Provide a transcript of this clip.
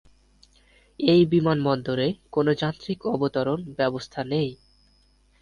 এই বিমানবন্দরে কোন যান্ত্রিক অবতরন ব্যবস্থা নেই।